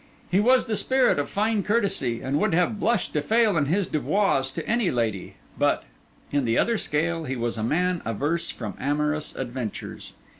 He was the spirit of fine courtesy, and would have blushed to fail in his devoirs to any lady; but, in the other scale, he was a man averse from amorous adventures.